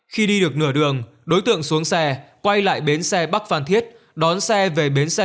khi đi được nửa đường đối tượng xuống xe quay lại bến xe bắc phan thiết đón xe về bến xe